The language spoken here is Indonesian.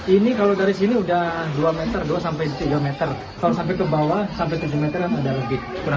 ini kali apa sih bang